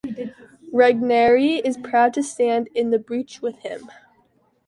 Regnery is proud to stand in the breach with him.